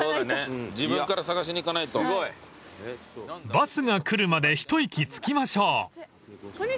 ［バスが来るまで一息つきましょう］